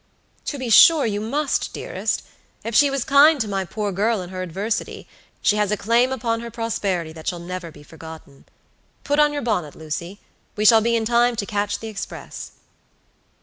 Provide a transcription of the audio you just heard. "To be sure you must, dearest. If she was kind to my poor girl in her adversity, she has a claim upon her prosperity that shall never be forgotten. Put on your bonnet, Lucy; we shall be in time to catch the express."